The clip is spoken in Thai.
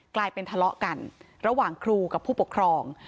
กลายเป็นทะเลาะกันระหว่างครูกับผู้ปกครอง